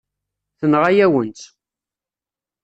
Tenɣa-yawen-tt.